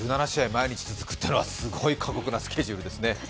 毎日続くっていうのは、すごい過酷なスケジュールですね。